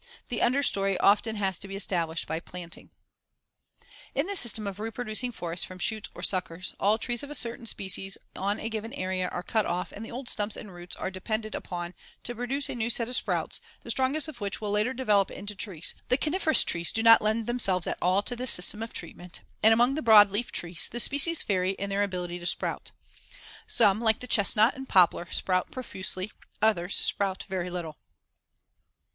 The under story often has to be established by planting. [Illustration: FIG. 131. Diagrammatic Illustration of the Group or Strip System.] In the system of reproducing forests from shoots or suckers, all trees of a certain species on a given area are cut off and the old stumps and roots are depended upon to produce a new set of sprouts, the strongest of which will later develop into trees. The coniferous trees do not lend themselves at all to this system of treatment, and, among the broadleaf trees, the species vary in their ability to sprout. Some, like the chestnut and poplar, sprout profusely; others sprout very little.